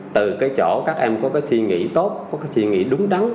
từ cái chỗ các em có cái suy nghĩ tốt có cái suy nghĩ đúng đắn